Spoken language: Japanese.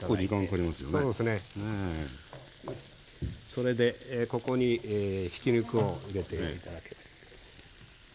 それでここにひき肉を入れて頂けると。